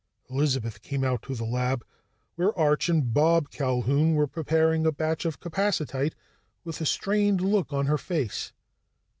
Elizabeth came out to the lab, where Arch and Bob Culquhoun were preparing a batch of capacitite, with a strained look on her face.